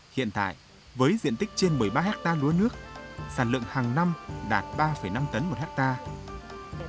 hiện tại với diện tích trên một mươi ba hectare lúa nước sản lượng hàng năm đạt ba năm tấn một hectare